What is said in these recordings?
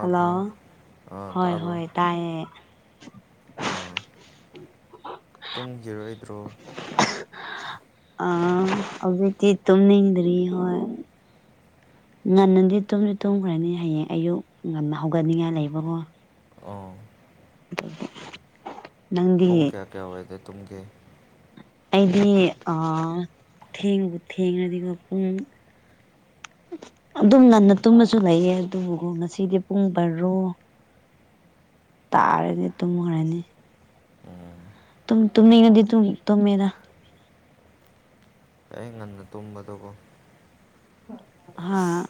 Hello ꯑꯥ ꯍꯣꯏ ꯇꯥꯕ꯭ꯔꯣ ꯍꯣꯏ ꯇꯥꯏꯑꯦ ꯑꯥ ꯇꯨꯝꯈꯤꯔꯣꯏꯗ꯭ꯔꯣ ꯑ ꯍꯧꯖꯤꯛꯇꯤ ꯇꯨꯅꯤꯡꯗꯔꯤ ꯍꯣꯏ ꯉꯟꯅꯗꯤ ꯇꯨꯝꯗꯤ ꯇꯨꯝꯈ꯭ꯔꯅꯤ ꯍꯌꯦꯡ ꯑꯌꯨꯛ ꯉꯟꯅ ꯍꯧꯒꯠꯅꯤꯡꯉꯥꯏ ꯂꯩꯕꯀꯣ ꯑꯣ ꯑꯗꯨꯒꯤ ꯄꯨꯡ ꯀꯌꯥ ꯀꯌꯥ ꯑꯣꯏꯗ ꯇꯨꯝꯒꯦ ꯑꯩꯗꯤ ꯑ ꯊꯦꯡꯕꯨ ꯊꯦꯡꯉ꯭ꯔꯗꯤꯀꯣ ꯄꯨꯡ ꯑꯗꯨꯝ ꯉꯟꯅ ꯇꯨꯝꯃꯁꯨ ꯂꯩꯌꯦ ꯑꯗꯨꯕꯨ ꯉꯁꯤꯗꯤ ꯄꯨꯡ ꯕꯔꯣ ꯇꯥꯔꯅꯤ ꯇꯨꯝꯈꯔꯅꯤ ꯇꯨꯝꯅꯤꯡꯑꯗꯤ ꯑꯗꯨꯝ ꯇꯨꯝꯃꯦꯗ ꯑꯩ ꯉꯟꯅ ꯇꯨꯝꯕꯗꯕꯣ ꯍꯥꯥ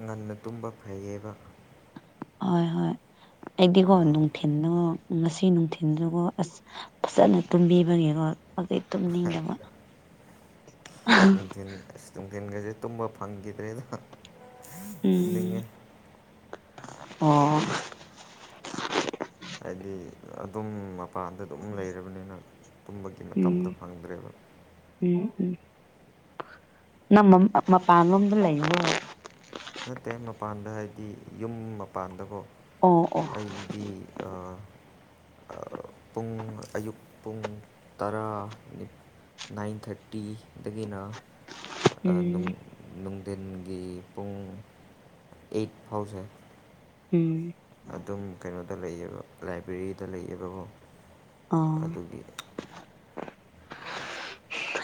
ꯉꯟꯅ ꯇꯨꯝꯕ ꯐꯩꯌꯦꯕ ꯍꯣꯏ ꯍꯣꯏ ꯑꯩꯗꯤꯀꯣ ꯑꯥ ꯅꯨꯡꯊꯤꯟꯗꯀꯣ ꯉꯁꯤ ꯅꯨꯡꯊꯤꯟꯖꯨꯀꯣ ꯑꯁ ꯐꯖꯅ ꯇꯨꯝꯕꯤꯕꯒꯤꯀꯣ ꯍꯧꯖꯤꯛ ꯇꯨꯝꯅꯤꯡꯗꯕ ꯅꯨꯡꯊꯤꯟꯒꯖꯦ ꯇꯨꯝꯕ ꯐꯪꯈꯤꯗ꯭ꯔꯦꯗ ꯎꯝ ꯇꯨꯝꯅꯤꯡꯉꯦ ꯑꯣ... ꯑꯩꯗꯤ ꯑꯗꯨꯝ ꯃꯄꯥꯟꯗ ꯑꯗꯨꯝ ꯂꯩꯔꯕꯅꯤꯅ ꯇꯨꯝꯕꯒꯤ ꯃꯇꯝꯗꯣ ꯐꯪꯗ꯭ꯔꯦꯕ ꯏ ꯏ ꯅꯝ ꯃꯝ ꯃꯄꯥꯟꯂꯣꯝꯗ ꯂꯩꯕ꯭ꯔꯣ ꯅꯠꯇꯦ ꯃꯄꯥꯟꯗ ꯍꯥꯏꯗꯤ ꯌꯨꯝ ꯃꯄꯥꯟꯗꯀꯣ ꯑꯣ ꯑꯣ ꯑꯩꯗꯤ ꯑ.. ꯑ.. ꯄꯨꯡ ꯑꯌꯨꯛ ꯄꯨꯡ ꯇꯔꯥ ꯅꯤ ꯅꯥꯏꯟ ꯊꯥꯔꯇꯤ ꯗꯒꯤꯅ ꯑ.. ꯎꯝ ꯅꯨꯡ ꯅꯨꯡꯗꯤꯟꯒꯤ ꯄꯨꯡ ꯑꯦꯠ ꯐꯥꯎꯁꯦ ꯎꯝ ꯑꯗꯨꯝ ꯀꯩꯅꯣꯗ ꯂꯩꯌꯦꯕ ꯂꯥꯏꯕ꯭ꯔꯦꯔꯤꯗ ꯂꯩꯌꯦꯕꯀꯣ ꯑꯥ ꯑꯗꯨꯒꯤ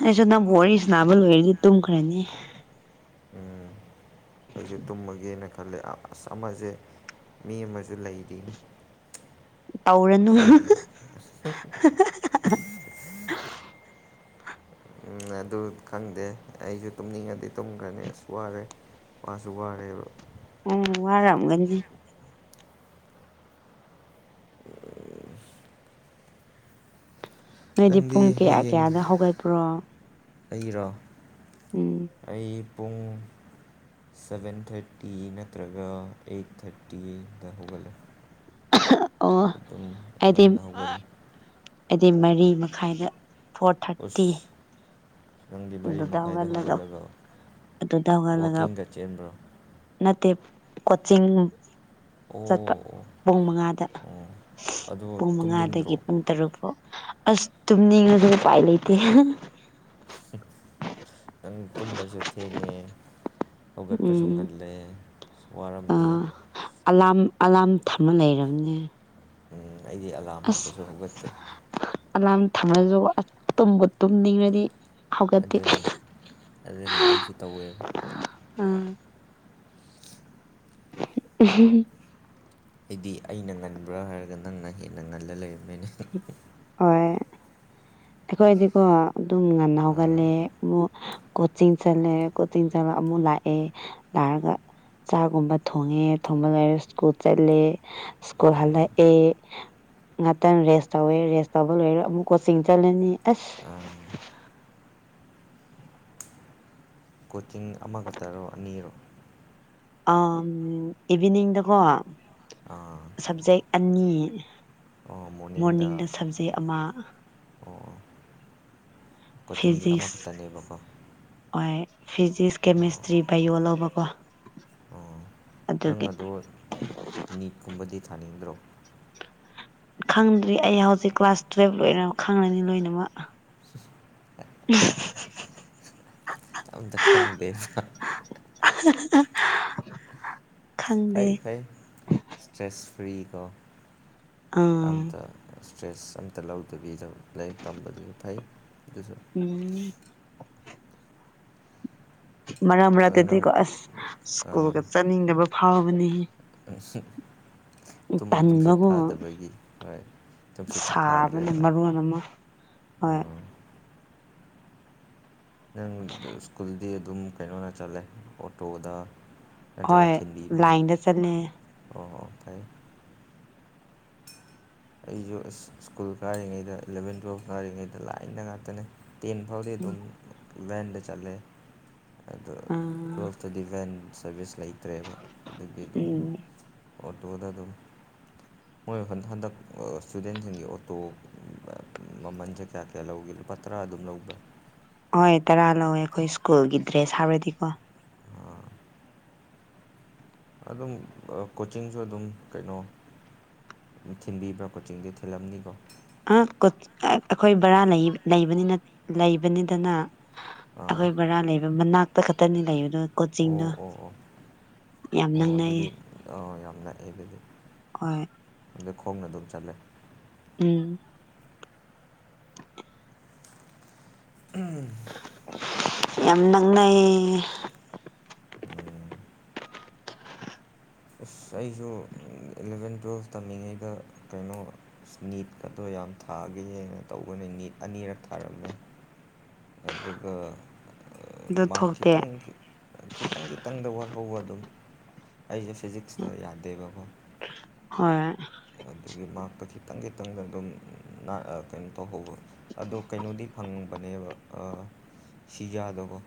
ꯑꯩꯁꯨ ꯅꯪꯕꯨ ꯋꯥꯔꯤ ꯁꯅꯥꯕ ꯂꯣꯏꯔꯗꯤ ꯇꯨꯝꯈ꯭ꯔꯥꯅꯤ ꯎꯝ ꯑꯩꯁꯨ ꯇꯨꯝꯃꯒꯦꯅ ꯈꯜꯂꯦ ꯑꯥ ꯑꯁ ꯑꯃꯖꯦ ꯃꯤ ꯑꯃꯖꯨ ꯂꯩꯔꯤꯅꯤ ꯇꯧꯔꯅꯨ ꯑꯩꯒꯤ [unintelligible] ꯎꯝ ꯑꯗꯨ ꯈꯪꯗꯦ ꯑꯩꯁꯨ ꯇꯨꯝꯅꯤꯡꯉꯗꯤ ꯇꯨꯝꯈ꯭ꯔꯅꯤ ꯑꯁ ꯋꯥꯔꯦ ꯃꯥꯁꯨ ꯋꯥꯔꯦꯕ ꯎꯝ ꯋꯥꯔꯝꯒꯅꯤ ꯅꯣꯏꯗꯤ ꯅꯪꯗꯤ ꯄꯨꯡ ꯀꯌꯥ ꯍꯌꯦꯡ ꯀꯌꯥꯗ ꯍꯧꯒꯠꯄ꯭ꯔꯣ ꯑꯩꯔꯣ ꯎꯝ ꯑꯩ ꯄꯨꯡ ꯁꯕꯦꯟ ꯊꯔꯇꯤ ꯅꯠꯇ꯭ꯔꯒ ꯑꯩꯠ ꯊꯔꯇꯤꯗ ꯍꯧꯒꯠꯂꯦ ꯑꯣ ꯑꯗꯨꯝ ꯑꯩꯗꯤ ꯉꯟꯅ ꯍꯧꯒꯠꯂꯦ ꯑꯩꯗꯤ ꯃꯔꯤ ꯃꯈꯥꯏꯗ ꯐꯣꯔ ꯊꯥꯔꯇꯤ ꯑꯁ ꯅꯪꯗꯤ ꯃꯔꯤ ꯇꯨꯗꯨꯗ ꯃꯈꯥꯏꯗ ꯍꯧꯒꯠꯂꯒꯞ ꯍꯧꯒꯠꯂꯒ ꯑꯗꯨꯗ ꯍꯧꯒꯠꯂꯒꯞ ꯋꯥꯛꯀꯤꯡꯒ ꯆꯦꯟꯕ꯭ꯔꯣ ꯅꯠꯇꯦꯞ ꯀꯣꯆꯤꯡ ꯆꯠꯄ ꯑꯣ ꯑꯣ ꯄꯨꯡ ꯃꯉꯥꯗ ꯑꯣ ꯑꯗꯨ ꯄꯨꯡ ꯃꯉꯥꯗꯒꯤ ꯇꯨꯝꯅꯤꯡꯗ꯭ꯔꯣ ꯄꯨꯡ ꯇꯔꯨꯛꯐꯧ ꯑꯁ ꯇꯨꯝꯅꯤꯡꯉꯗꯤ ꯎꯄꯥꯏ ꯂꯩꯇꯦ ꯅꯪ ꯇꯨꯝꯕꯁꯨ ꯊꯦꯡꯉꯦ ꯍꯧꯒꯠꯄꯁꯨ ꯎꯝ ꯉꯜꯂꯦ ꯋꯥꯔꯝꯅꯤ ꯑꯂꯥꯝ ꯑꯂꯥꯝ ꯊꯝꯃ ꯂꯩꯔꯝꯅꯦ ꯎꯝ ꯑꯩꯗꯤ ꯑꯦ ꯑꯁ ꯑꯂꯥꯝ ꯊꯝꯃꯁꯨ ꯇꯨꯝꯕꯨ ꯇꯨꯝꯅꯤꯡꯉꯗꯤ ꯍꯧꯒꯠꯇꯦ ꯑꯗꯨꯅꯤ ꯑꯗꯨꯅꯤ ꯑꯩꯁꯨ ꯇꯧꯋꯦꯕ [unintelligible] ꯑꯩꯗꯤ ꯑꯩꯅ ꯉꯟꯕ꯭ꯔꯥ ꯍꯥꯏꯔꯒ ꯅꯪꯅ ꯍꯦꯟꯅ ꯉꯜꯂ ꯂꯩꯔꯝꯃꯦꯅꯦ ꯑꯣꯏ ꯑꯩꯈꯣꯏꯗꯤꯀꯣ ꯑꯗꯨꯝ ꯉꯟꯅ ꯑꯥ ꯍꯧꯒꯂꯦ ꯑꯃꯨꯛ ꯀꯣꯆꯤꯡ ꯆꯠꯂꯦ ꯀꯣꯆꯤꯡ ꯆꯠꯂ ꯑꯃꯨꯛ ꯂꯥꯛꯑꯦ ꯂꯥꯛꯑꯒ ꯆꯥꯛꯒꯨꯝꯕ ꯊꯣꯡꯉꯦ ꯊꯣꯡꯕ ꯂꯣꯏꯔꯒ ꯁ꯭ꯀꯨꯜ ꯆꯠꯂꯦ ꯁ꯭ꯀꯨꯜ ꯎꯝ, ꯍꯜꯂꯛꯑꯦ ꯉꯥꯛꯇꯪ ꯔꯦꯁ ꯇꯧꯋꯦ ꯔꯦꯁ ꯇꯧꯕ ꯂꯣꯏꯔꯒ ꯑꯃꯨꯛ ꯀꯣꯆꯤꯡ ꯆꯠꯂꯅꯤ ꯑꯁ ꯑꯥ ꯀꯣꯆꯤꯡ ꯑꯃꯈꯛꯇꯔꯣ ꯑꯅꯤꯔꯣ ꯑꯥ ꯏꯚꯤꯅꯤꯡꯗꯀꯣ ꯑꯥ ꯁꯕꯖꯦꯛ ꯑꯅꯤ ꯑꯣ ꯃꯣꯔꯅꯤꯡꯗ ꯁꯕꯖꯦꯛ ꯑꯃ ꯑꯣ ꯀꯣꯆꯤꯡꯗꯤ ꯐꯤꯖꯤꯛꯁ ꯑꯃꯈꯛꯇꯅꯦꯕꯀꯣ ꯍꯣꯏ ꯐꯤꯖꯤꯛꯁ ꯑꯣ ꯀꯦꯃꯤꯁꯇ꯭ꯔꯤ ꯕꯥꯏꯌꯣ ꯂꯧꯕꯀꯣ ꯑꯣ ꯅꯪ ꯑꯗꯨꯒꯤ ꯑꯗꯣ ꯅꯤꯠꯀꯨꯝꯕꯗꯤ ꯊꯥꯅꯤꯡꯗ꯭ꯔꯣ ꯈꯪꯗ꯭ꯔꯤ ꯑꯩ ꯍꯧꯖꯤꯛ ꯀ꯭ꯂꯥꯁ ꯇꯨꯏꯋꯦꯞ ꯂꯣꯏꯔ ꯈꯪꯉꯅꯤ ꯂꯣꯏꯅꯃꯛ [unintelligible] ꯑꯃꯇ ꯈꯪꯗꯦꯗ [unintelligible] [inaudible] ꯈꯪꯗꯦ ꯐꯩ ꯐꯩ ꯏꯁꯇ꯭ꯔꯦꯁ ꯐ꯭ꯔꯤꯀꯣ ꯑꯥ ꯑꯝꯇ ꯏꯁꯇ꯭ꯔꯦꯁ ꯑꯝꯇ ꯂꯧꯗꯕꯤꯗ ꯂꯥꯏꯔꯤꯛ ꯇꯝꯕꯗꯨꯁꯨ ꯐꯩ ꯑꯗꯨꯁꯨ ꯎꯝ ꯃꯔꯛ ꯑꯗꯨ ꯅꯪ ꯃꯔꯛꯇꯗꯤꯀꯣ ꯑꯁ ꯁ꯭ꯀꯨꯜꯒ ꯆꯠꯅꯤꯡꯗꯕ ꯐꯥꯎꯕꯅꯤꯍꯦ ꯎꯝ ꯇꯨꯝ ꯇꯨꯝꯁꯤꯠ ꯇꯟꯕꯒꯣ ꯐꯗꯕꯒꯤ ꯍꯣꯏ ꯇꯨꯝꯁꯤꯠꯁꯨ ꯁꯥꯕꯅ ꯐꯥꯗ꯭ꯔꯦꯗꯅ ꯃꯔꯣꯟ ꯑꯃ ꯍꯣꯏ ꯑꯥ, ꯅꯪ ꯁ꯭ꯀꯨꯜꯗꯤ ꯑꯗꯨꯝ ꯀꯩꯅꯣꯗ ꯆꯠꯂꯦ ꯑꯣꯇꯣꯗ ꯍꯣꯏ ꯅꯠꯇ꯭ꯔꯒ ꯊꯤꯟꯕꯤꯕ꯭ꯔꯣ ꯂꯥꯏꯟꯗ ꯆꯠꯂꯦ ꯑꯣ ꯑꯣ ꯐꯩꯌꯦ ꯑꯩꯁꯨ ꯑꯁ ꯁ꯭ꯀꯨꯜ ꯀꯥꯔꯤꯉꯩꯗ ꯏꯂꯚꯦꯟ ꯇꯨꯌꯦꯞ ꯀꯥꯔꯤꯉꯩꯗ ꯂꯥꯏꯟꯗ ꯉꯥꯛꯇꯅꯤ ꯇꯦꯟ ꯐꯥꯎꯗꯤ ꯑꯗꯨꯝ ꯂꯥꯏꯟꯗ ꯆꯠꯂꯦ ꯑꯗꯣ ꯑꯥ ꯎꯝ ꯇꯨꯋꯦꯜꯐꯇꯗꯤ ꯚꯦꯟ ꯁꯥꯔꯚꯤꯁ ꯂꯩꯇ꯭ꯔꯦꯕ ꯑꯗꯨꯒꯤ ꯑꯗꯨꯝ ꯑꯣꯇꯣꯗ ꯑꯗꯨꯝ ꯃꯣꯏ ꯍꯟꯗꯛ ꯏꯁꯇꯨꯗꯦꯟꯁꯤꯡꯒꯤ ꯑꯣꯇꯣ ꯃꯃꯟꯁꯦ ꯀꯌꯥ ꯀꯌꯥ ꯂꯧꯒꯦ ꯂꯨꯄꯥ ꯇꯔꯥ ꯑꯗꯨꯝ ꯂꯧꯕ꯭ꯔꯥ ꯍꯣꯏ ꯇꯔꯥ ꯂꯧꯋꯦ ꯑꯩꯈꯣꯏ ꯁ꯭ꯀꯨꯜꯒꯤ ꯗ꯭ꯔꯦꯁ ꯍꯥꯞꯄꯗꯤꯀꯣ ꯑꯥ ꯑꯗꯨꯝ ꯀꯣꯆꯤꯡꯁꯨ ꯑꯗꯨꯝ ꯀꯩꯅꯣ ꯊꯤꯟꯕꯤꯕ꯭ꯔꯥ ꯀꯣꯆꯤꯡꯗꯤ ꯊꯤꯜꯂꯝꯅꯤꯀꯣ ꯑꯥ ꯑꯩꯈꯣꯏ ꯕꯔꯥ ꯂꯩꯕ ꯂꯩꯕꯅꯤꯗꯅ ꯑꯥ ꯑꯩꯈꯣꯏ ꯕꯔꯥ ꯂꯩꯕ ꯃꯅꯥꯛꯇ ꯈꯛꯇꯅꯤ ꯂꯩꯕꯗꯣ ꯑꯣ ꯀꯣꯆꯤꯡꯗꯣ ꯑꯣ ꯌꯥꯝ ꯅꯛꯅꯩꯌꯦ ꯑꯥ ꯌꯥꯝ ꯅꯛꯑꯦ ꯑꯗꯨꯗꯤ ꯍꯣꯏ ꯅꯈꯣꯡꯅ ꯑꯗꯨꯝ ꯆꯠꯂꯦ ꯎꯝ ꯎꯝ ꯌꯥꯝ ꯅꯛꯅꯩꯌꯦ ꯎꯝ ꯑꯁ ꯑꯩꯁꯨ ꯏꯂꯚꯦꯟ ꯇꯨꯋꯦꯜꯐ ꯇꯝꯃꯤꯉꯩꯗ ꯀꯩꯅꯣ ꯅꯤꯠꯀꯗꯣ ꯌꯥꯝ ꯊꯥꯒꯌꯦꯅ ꯇꯧꯕꯅꯤ ꯅꯤꯠ ꯑꯅꯤꯔꯛ ꯊꯥꯔꯝꯃꯦ ꯑꯗꯨꯒ ꯑꯗꯨ ꯃꯥꯔꯛ ꯊꯣꯛꯇꯦ ꯈꯤꯇꯪ ꯈꯤꯇꯪ ꯈꯤꯇꯪꯗ ꯋꯥꯠꯍꯧꯕ ꯑꯗꯨꯝ ꯑꯩꯖꯦ ꯐꯤꯖꯤꯛꯁꯇ ꯌꯥꯗꯦꯕꯀꯣ ꯍ ꯑꯗꯨꯒꯤ ꯃꯥꯔꯛꯇꯣ ꯈꯤꯇꯪ ꯈꯤꯇꯪꯗ ꯑꯗꯨꯝ ꯀꯩꯅꯣ ꯇꯧꯍꯧꯕ ꯑꯗꯣ ꯀꯩꯅꯣꯗꯤ ꯐꯪꯕꯅꯦꯕ ꯁꯤꯖꯗꯕꯣ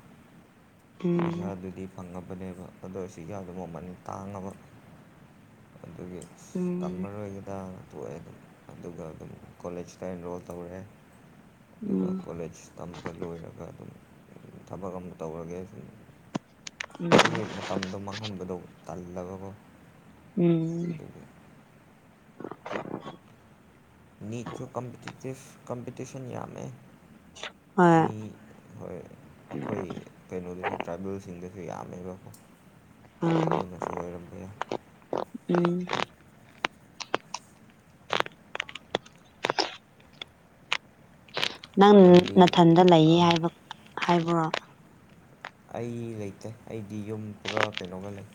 ꯎꯝ ꯄꯤꯖꯥꯗꯨꯗꯤ ꯐꯪꯉꯕꯅꯦꯕ ꯑꯗꯣ ꯁꯤꯖꯥꯗ ꯃꯃꯟ ꯇꯥꯡꯉꯕ [unintelligible] ꯑꯗꯨꯒꯤ ꯎꯝ ꯇꯝꯃꯔꯣꯏꯒꯗ ꯇꯣꯛꯑꯦ ꯑꯗꯨꯝ ꯑꯗꯨꯒ ꯑꯗꯨꯝ ꯀꯣꯂꯦꯖꯇ ꯑꯦꯟꯔꯣꯜ ꯇꯧꯔꯦ ꯑꯗꯨꯒ ꯎꯝ ꯀꯣꯂꯦꯖ ꯇꯝꯕ ꯂꯣꯏꯔꯒ ꯑꯗꯨꯝ ꯊꯕꯛ ꯑꯃ ꯇꯧꯔꯒꯦ ꯎꯝ ꯑꯩꯒꯤ ꯃꯇꯝꯗꯣ ꯃꯥꯡꯍꯟꯕꯗꯣ ꯇꯜꯂꯕ ꯀꯣ ꯎꯝ ꯅꯤꯠꯁꯨ ꯀꯝꯄꯤꯇꯤꯁꯟ ꯌꯥꯃꯦ ꯍꯣꯏ ꯃꯤ ꯍꯣꯏ ꯑꯩꯈꯣꯏ ꯀꯩꯅꯣꯗꯁꯨ ꯇ꯭ꯔꯥꯏꯕꯦꯜꯁꯤꯡꯗꯁꯨ ꯌꯥꯝꯃꯦꯕꯀꯣ ꯎꯝ ꯑꯗꯨꯅꯁꯨ ꯑꯣꯏꯔꯝꯕ ꯌꯥꯏ ꯎꯝ ꯅꯪ ꯅꯪꯗꯤ ꯅꯥꯊꯟꯗ ꯂꯩꯌꯦ ꯍꯥꯏꯕ ꯍꯥꯏꯕ꯭ꯔꯣ ꯑꯩ ꯂꯩꯇꯦ ꯑꯩꯗꯤ ꯌꯨꯝ ꯄꯨꯔꯥ ꯀꯩꯅꯣꯒ ꯂꯩ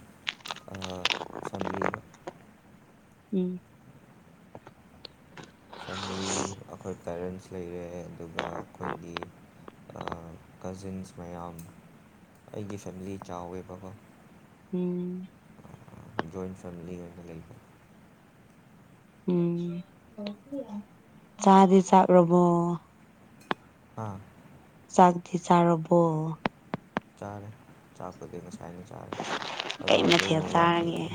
ꯐꯦꯃꯤꯂꯤꯒ ꯎꯝ ꯐꯦꯃꯤꯂꯤ ꯑꯩꯈꯣꯏ ꯄꯦꯔꯦꯟꯁ ꯂꯩꯔꯦ ꯑꯗꯨꯒ ꯑꯩꯈꯣꯏꯒꯤ ꯑ ꯀꯖꯤꯟꯁ ꯃꯌꯥꯝ ꯑꯩꯒꯤ ꯐꯦꯃꯤꯂꯤ ꯆꯥꯎꯋꯦꯕꯀꯣ ꯎꯝ ꯖꯣꯏꯟꯠ ꯐꯦꯃꯤꯂꯤ ꯑꯣꯏꯅ ꯂꯩꯕ ꯎꯝ ꯆꯥꯗꯤ ꯆꯥꯛꯔꯕꯣ ꯑꯥ ꯆꯥꯛꯇꯤ ꯆꯥꯔꯕꯣ ꯆꯥꯔꯦ ꯆꯥꯛꯄꯨꯗꯤ ꯉꯁꯥꯏꯅ ꯆꯥꯔꯦ ꯑꯗꯣ ꯀꯩ ꯍꯧꯖꯤꯛ ꯃꯊꯦꯜ ꯑꯃꯨꯛ ꯆꯥꯔꯒꯦ ꯂꯥꯝꯈꯠꯂꯛꯑꯦ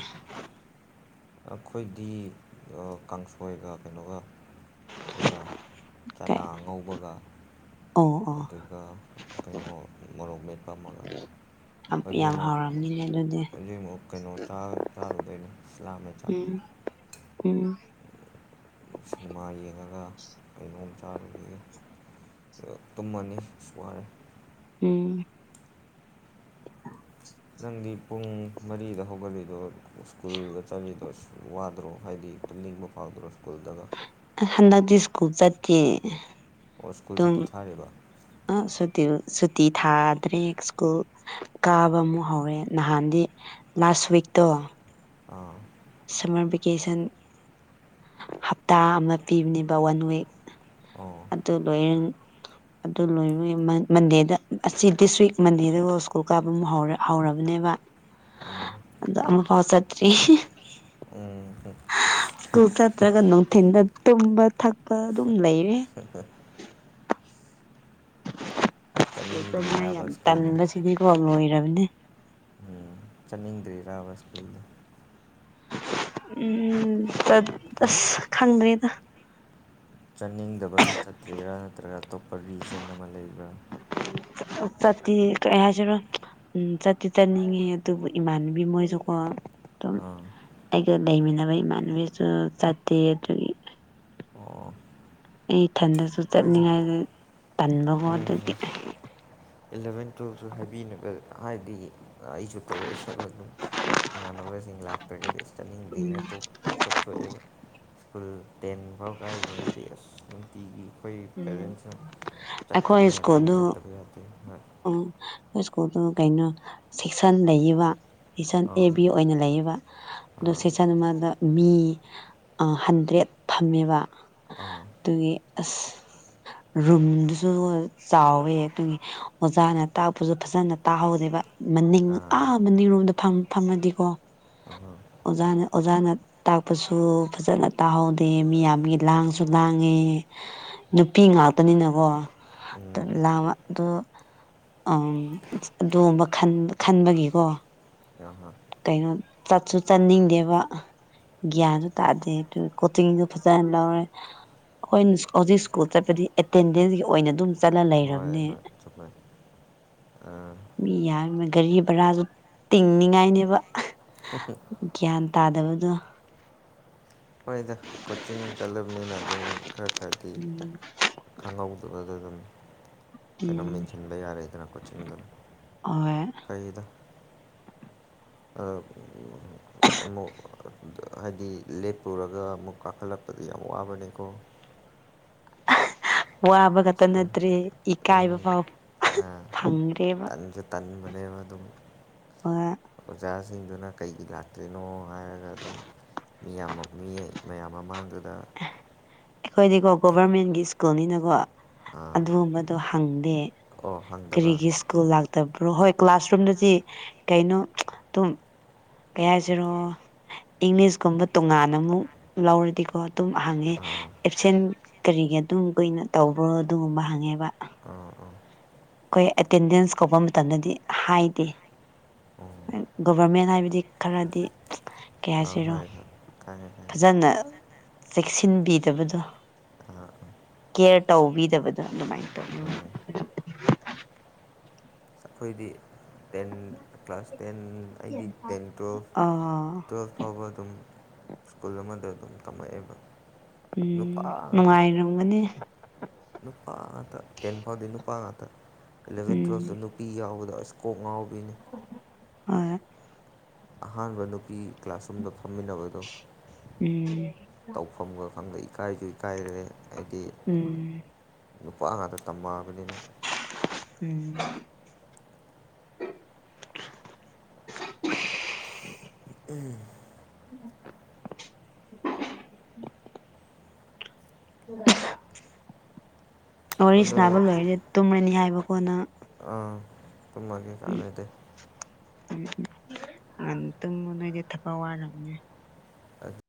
ꯑꯩꯈꯣꯏꯗꯤ ꯀꯥꯡꯁꯣꯏꯒ ꯀꯩꯅꯣꯒ ꯑꯗꯨꯒ ꯆꯅꯥ ꯀꯩ ꯉꯧꯕꯒ ꯑꯣ ꯑꯣ ꯑꯗꯨꯒ ꯀꯩꯅꯣ ꯃꯣꯔꯣꯛ ꯃꯦꯠꯄ ꯑꯃꯒ ꯌꯥꯝ ꯍꯧꯖꯤꯛꯃꯨꯛ ꯍꯥꯎꯔꯝꯅꯤꯅꯦ ꯑꯗꯨꯗꯤ ꯍꯧꯖꯤꯛꯃꯨꯛ ꯀꯩꯅꯣ ꯆꯥꯛ ꯆꯥꯔꯨꯗꯨꯏꯅꯦ ꯏꯁꯂꯥꯝ ꯎꯝ ꯎꯝ ꯁꯤꯅꯦꯃꯥ ꯌꯦꯡꯉꯒ ꯀꯩꯅꯣꯝ ꯆꯥꯔꯨꯗꯨꯏꯅꯦ ꯑ ꯇꯨꯝꯃꯅꯤ ꯋꯥꯔꯦ ꯎꯝ ꯎ [unintelligible] ꯅꯪꯗꯤ ꯄꯨꯡ ꯃꯔꯤꯗ ꯍꯧꯒꯠꯂꯤꯗꯣ ꯁ꯭ꯀꯨꯜꯒ ꯆꯠꯂꯤꯗꯣ ꯋꯥꯗ꯭ꯔꯣ ꯍꯥꯏꯗꯤ ꯇꯨꯝꯅꯤꯡꯕ ꯐꯥꯎꯗ꯭ꯔꯣ ꯁꯀꯨꯜꯗꯒ ꯑ ꯍꯟꯗꯛꯇꯤ ꯁ꯭ꯀꯨꯜ ꯆꯠꯇꯦ ꯑꯣ ꯁ꯭ꯀꯨꯜ ꯁꯨꯇꯤ ꯊꯥꯔꯤꯕ ꯑ ꯁꯨꯇꯤ ꯁꯨꯇꯤ ꯊꯥꯗ꯭ꯔꯤ ꯁ꯭ꯀꯨꯜ ꯀꯥꯕ ꯑꯃꯨꯛ ꯍꯧꯔꯦ ꯅꯍꯥꯟꯗꯤ ꯂꯥꯁ ꯋꯤꯛꯇꯣ ꯑꯥ ꯁꯝꯃꯔ ꯚꯦꯀꯦꯁꯟ ꯍꯞꯇꯥ ꯑꯃ ꯄꯤꯕꯅꯦꯕ ꯋꯥꯟ ꯋꯤꯛ ꯑꯣ ꯑꯗꯨ ꯂꯣꯏꯔ ꯑꯗꯨ ꯂꯣꯏꯕꯒꯤ ꯃꯟꯗꯦꯗ ꯑꯁꯤ ꯗꯤꯁ ꯋꯤꯛ ꯃꯟꯗꯦꯗꯀꯣ ꯁꯀꯨꯜ ꯀꯥꯕ ꯑꯃ ꯍꯧꯔ ꯍꯧꯔꯕꯅꯦꯕ ꯑꯣ ꯑꯗꯣ ꯑꯃꯐꯥꯎ ꯆꯠꯇ꯭ꯔꯤ ꯎꯝ ꯎꯝ ꯁ꯭ꯀꯨꯜ ꯆꯠꯇ꯭ꯔꯒ ꯅꯨꯡꯊꯤꯟꯗ ꯇꯨꯝꯕ ꯊꯛꯄ ꯑꯗꯨꯝ ꯂꯩꯔꯦ꯫ [unintelligible] [unintelligible] ꯆꯠꯅꯤꯡꯗ꯭ꯔꯤꯔꯕ ꯌꯥꯝ ꯁ꯭ꯀꯨꯜꯗ ꯇꯟꯕꯁꯤꯗꯤꯀꯣ ꯂꯣꯏꯔꯕꯅꯦ ꯎꯝ ꯆꯠꯅꯤꯡꯗ꯭ꯔꯤꯔꯕ ꯁ꯭ꯀꯨꯜꯗꯣ꯫ ꯎꯝ ꯆꯠ ꯑꯁ ꯈꯪꯗ꯭ꯔꯤꯗ ꯆꯠꯅꯤꯡꯗꯕꯒꯤ ꯆꯠꯇ꯭ꯔꯤꯔꯥ ꯅꯠꯇ꯭ꯔꯒ ꯑꯇꯣꯞꯄ ꯔꯤꯖꯟ ꯑꯃ ꯂꯩꯕ꯭ꯔꯥ ꯆꯠꯇꯤ ꯀꯩ ꯍꯥꯏꯁꯤꯔ ꯎꯝ ꯆꯠꯇꯤ ꯆꯠꯅꯤꯡꯉꯦ ꯑꯗꯨꯕꯨ ꯏꯃꯥꯟꯅꯕꯤ ꯃꯣꯏꯖꯨꯀꯣ ꯑꯪ ꯑꯩꯒ ꯂꯩꯃꯤꯟꯅꯕ ꯏꯃꯥꯟꯅꯕꯤꯖꯨ ꯆꯠꯇꯦ ꯑꯗꯨꯒꯤ ꯑꯣ ꯑꯩ ꯏꯊꯟꯗꯖꯨ ꯍꯣꯏꯗ ꯆꯠꯅꯤꯡꯉꯥꯏꯗ ꯇꯟꯕꯀꯣ ꯑꯗꯨꯒꯤ ꯎꯝ ꯑꯦꯂꯚꯦꯟ ꯇꯨꯌꯦꯜꯞꯁꯨ ꯍꯥꯏꯕꯤꯅꯕ ꯍꯥꯏꯗꯤ ꯑꯩꯁꯨ ꯇꯧꯔꯛꯑꯦꯁꯦꯕ ꯑꯗꯨꯝ ꯏꯃꯥꯟꯅꯕꯖꯤꯡ ꯂꯥꯛꯇ꯭ꯔꯒꯗꯤ ꯆꯠꯅꯤꯡꯗꯦꯅ ꯇꯣꯛ ꯇꯣꯛꯊꯣꯛꯑꯦꯕ ꯐꯨꯜ ꯇꯦꯟ ꯕꯥꯎ ꯀꯥꯔꯤꯉꯩꯗꯨꯗꯤ ꯑꯁ ꯅꯨꯡꯇꯤꯒꯤ ꯈꯣꯏ ꯄꯦꯔꯦꯟꯁꯤꯡꯅ ꯆꯠꯇꯕ ꯑꯩꯈꯣꯏ ꯌꯥꯗꯦ ꯁ꯭ꯀꯨꯜꯗꯨ ꯆꯠꯇꯕ ꯌꯥꯗꯦ ꯍ ꯎꯝ ꯅꯣꯏ ꯁ꯭ꯀꯨꯜꯗꯣ ꯀꯩꯅꯣ ꯁꯦꯛꯁꯟ ꯂꯩꯌꯦꯕ ꯁꯤꯁꯟ ꯑꯦ ꯑꯥ ꯕꯤ ꯑꯣꯏꯅ ꯂꯩꯑꯦꯕ ꯑꯗꯨ ꯑꯥ ꯁꯦꯁ ꯇꯟꯃꯗ ꯃꯤ ꯑ ꯍꯟꯗ꯭ꯔꯦꯠ ꯐꯝꯃꯦꯕ ꯑꯥ ꯑꯗꯨꯒꯤ ꯑꯁ ꯔꯨꯝꯗꯨꯁꯨ ꯆꯥꯎꯋꯦ ꯑꯗꯨꯒꯤ ꯑꯣꯖꯥꯅ ꯇꯥꯛꯄꯁꯨ ꯐꯖꯅ ꯇꯥꯍꯧꯗꯦꯕ ꯃꯅꯤꯡ ꯑꯥ ꯃꯅꯤꯡꯔꯣꯝꯗ ꯐꯝ ꯐꯝꯃꯗꯤꯀꯣ ꯑꯍꯥ ꯑꯣꯖꯥꯅ ꯑꯣꯖꯥꯅ ꯇꯥꯛꯄꯁꯨ ꯐꯖꯅ ꯇꯥꯍꯧꯗꯦ ꯃꯤꯌꯥꯝꯃꯤ ꯂꯥꯡꯁꯨ ꯂꯥꯡꯉꯦ ꯅꯨꯄꯤ ꯉꯥꯛꯇꯅꯤꯅꯀꯣ ꯎꯝ ꯇꯜꯂꯕ ꯗꯣ ꯑꯝ ꯑꯗꯨꯒꯨꯝꯕ ꯈꯟ ꯈꯟꯕꯒꯤꯀꯣ [unintelligible] ꯀꯩꯅꯣ ꯆꯠꯁꯨ ꯆꯠꯅꯤꯡꯗꯦꯕ ꯒ꯭ꯌꯥꯟꯁꯨ ꯇꯥꯗꯦ ꯑꯗꯨ ꯀꯣꯆꯤꯡꯖꯨ ꯐꯖꯅ ꯂꯧꯔꯦ ꯑꯩꯈꯣꯏꯅ ꯍꯧꯖꯤꯛ ꯁ꯭ꯀꯨꯜ ꯆꯠꯄꯗꯤ ꯑꯦꯇꯦꯟꯗꯦꯟꯁꯀꯤ ꯑꯣꯏꯅ ꯑꯗꯨꯝ ꯆꯠꯂ ꯍꯣꯏ ꯂꯩꯔꯝꯅꯦ ꯍꯣꯏ ꯆꯨꯝꯃꯦ ꯑꯥ ꯃꯤ ꯌꯥꯝꯃ ꯒꯥꯔꯤ ꯚꯔꯥꯁꯨ ꯇꯤꯡꯅꯤꯡꯉꯥꯏꯅꯦꯕ [unintelligible] ꯒ꯭ꯌꯥꯟ ꯇꯥꯗꯕꯗꯨ ꯍꯣꯏꯗ ꯀꯣꯆꯤꯡ ꯆꯠꯂꯕꯅꯤꯅ ꯑꯗꯨꯝ ꯈꯔ ꯈꯔꯗꯤ ꯎꯝ ꯈꯪꯍꯧꯗꯕꯗ ꯗꯨꯝ ꯀꯩꯅꯣꯝ ꯎꯝ ꯃꯦꯟꯁꯤꯡꯟꯕꯌꯥꯔꯦꯗꯅ ꯀꯣꯆꯤꯡꯗꯣ ꯍꯣꯏ ꯐꯩꯗ ꯑ ꯎꯝ ꯑꯃꯨꯛ ꯑ ꯍꯥꯏꯗꯤ ꯂꯦꯞꯄꯨꯔꯒ ꯑꯃꯨꯛ ꯀꯥꯈꯠꯂꯛꯄꯗ ꯌꯥꯝ ꯋꯥꯕꯅꯦꯀꯣ ꯋꯥꯕ ꯈꯠꯇ ꯅꯠꯇ꯭ꯔꯦ ꯏꯀꯥꯏꯕ ꯐꯥꯎ ꯑ ꯐꯪꯗ꯭ꯔꯦꯕ ꯇꯟꯖꯨ ꯇꯟꯕꯅꯦꯕ ꯑꯗꯨꯝ ꯍꯣꯏ ꯑꯣꯖꯥꯖꯤꯡꯗꯨꯅ ꯀꯩꯒꯤ ꯂꯥꯛꯇ꯭ꯔꯤꯅꯣ ꯍꯥꯏꯔꯒ ꯑꯗꯨꯝ ꯃꯤꯌꯥꯝꯃꯞ ꯃꯤ ꯃꯌꯥꯝ ꯃꯃꯥꯡꯗꯨꯗ ꯑꯩꯈꯣꯏꯗꯤꯀꯣ ꯒꯣꯚꯔꯃꯦꯟꯒꯤ ꯁ꯭ꯀꯨꯜꯅꯤꯅꯀꯣ ꯑꯗꯨꯒꯨꯝꯕꯗꯣ ꯍꯪꯗꯦ ꯑꯣ ꯍꯪꯗꯕ꯭ꯔꯥ ꯀꯔꯤꯒꯤ ꯁ꯭ꯀꯨꯜ ꯂꯥꯛꯇꯕ꯭ꯔꯣ ꯍꯣꯏ ꯀ꯭ꯂꯥꯁꯔꯨꯝꯗꯗꯤ ꯀꯩꯅꯣ ꯑꯗꯨꯝ ꯀꯩ ꯍꯥꯏꯁꯤꯔꯣ ꯏꯪꯂꯤꯁꯀꯨꯝꯕ ꯇꯣꯉꯥꯟꯅ ꯑꯃꯨꯛ ꯂꯧꯔꯗꯤꯀꯣ ꯑꯗꯨꯝ ꯍꯪꯉꯦ ꯑꯥ ꯑꯦꯞꯁꯦꯟ ꯀꯔꯤꯒꯤ ꯑꯗꯨꯝ ꯀꯨꯏꯅ ꯇꯧꯕ꯭ꯔꯣ ꯑꯗꯨꯒꯨꯝꯕ ꯍꯪꯉꯦꯕ꯫ ꯑꯥ ꯑꯥ ꯑꯩꯈꯣꯏ ꯑꯦꯇꯦꯟꯗꯦꯟꯁ ꯀꯧꯕ ꯃꯇꯝꯗꯗꯤ ꯍꯥꯏꯗꯦ ꯑꯣ ꯒꯣꯕꯔꯃꯦꯟ ꯍꯥꯏꯕꯗꯤ꯫ ꯈꯔꯗꯤ ꯀꯩ ꯑꯥ ꯍꯥꯏꯁꯤꯔꯣ ꯍꯣꯏ ꯍꯣꯏ ꯈꯪꯉꯦ ꯈꯪꯉꯦ ꯐꯖꯅ꯫ ꯆꯦꯛꯁꯤꯟꯕꯤꯗꯕꯗꯣ ꯑꯥ ꯑꯥ ꯀꯦꯌꯔ ꯇꯧꯕꯤꯗꯕꯗꯣ ꯑꯗꯨꯃꯥꯏꯅ ꯇꯧꯋꯦ ꯎꯝ ꯎ [inaudible] ꯑꯩꯈꯣꯏꯗꯤ ꯇꯦꯟ ꯀ꯭ꯂꯥꯁ ꯇꯦꯟ ꯑꯩꯗꯤ ꯇꯦꯟ ꯑꯥ ꯇꯨꯋꯦꯜꯐ ꯇꯨꯋꯦꯜꯐ ꯐꯧꯕ ꯑꯗꯨꯝ ꯁ꯭ꯀꯨꯜ ꯑꯃꯗ ꯑꯗꯨꯝ ꯇꯝꯃꯛꯑꯦꯕ ꯎꯝ ꯅꯨꯄꯥ ꯉꯥꯛꯇ ꯅꯨꯡꯉꯥꯏꯔꯝꯒꯅꯤ ꯅꯨꯄꯥ ꯉꯥꯛꯇ ꯇꯦꯟ ꯐꯥꯎꯗꯤ ꯅꯨꯄꯥ ꯉꯥꯛꯇ ꯏꯂꯚꯦꯟ ꯇ꯭ꯋꯦꯜ ꯎꯝ ꯅꯨ ꯅꯨꯄꯤ ꯌꯥꯎꯕꯗ ꯑꯁ ꯀꯣꯛ ꯉꯥꯎꯕꯤꯅꯦ ꯍꯣꯢ ꯑꯍꯥꯟꯕ ꯅꯨꯄꯤ ꯀ꯭ꯂꯥꯁꯔꯨꯝꯗ ꯐꯝꯃꯤꯟꯅꯕ ꯎꯝ ꯇꯧꯐꯝꯒ ꯈꯪꯗꯦ ꯏꯀꯥꯏꯁꯨ ꯏꯀꯥꯏꯔꯦ ꯍꯥꯏꯗꯤ ꯎꯝ ꯅꯨꯄꯥ ꯉꯥꯛꯇ ꯇꯝꯃꯛꯑꯕꯅꯤꯅ ꯎꯝ ꯎꯝ [unintelligible] [inaudible] ꯋꯥꯔꯤ ꯑꯗꯨꯅ ꯁꯅꯥꯕ ꯂꯣꯏꯔꯗꯤ ꯇꯨꯝꯔꯅꯤ ꯍꯥꯏꯕꯒꯣ ꯅꯪ ꯑ ꯇꯨꯝꯒꯤ ꯀꯥꯟꯅꯗꯦ ꯉꯥꯟꯅ ꯇꯨꯝꯃꯣ ꯅꯣꯏꯗꯤ ꯊꯕꯛ ꯋꯥꯔꯝꯅꯤ ꯑꯗꯨ [unintelligible]